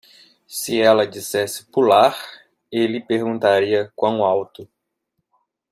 Se ela dissesse "pular", ele perguntaria "quão alto?"